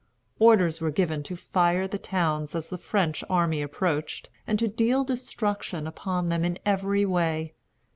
Orders were given to fire the towns as the French army approached, and to deal destruction upon them in every way.